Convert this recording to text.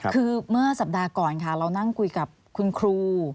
คือเมื่อสัปดาห์ก่อนค่ะเรานั่งคุยกับคุณครู